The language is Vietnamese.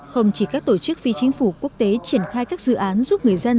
không chỉ các tổ chức phi chính phủ quốc tế triển khai các dự án giúp người dân